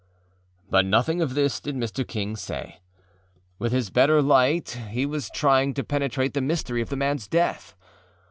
â But nothing of this did Mr. King say. With his better light he was trying to penetrate the mystery of the manâs death.